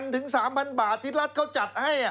ถึง๓๐๐บาทที่รัฐเขาจัดให้